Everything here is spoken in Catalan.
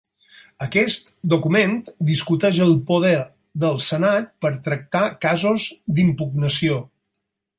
Aquest document discuteix el poder del Senat per tractar casos d'impugnació.